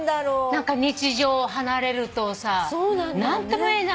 何か日常を離れるとさ何ともいえない